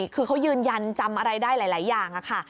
คือเขายืนยันจำอะไรได้หลายอย่างค่ะ